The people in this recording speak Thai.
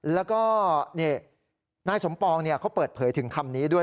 แล้วก็นายสมปองเขาเปิดเผยถึงคำนี้ด้วย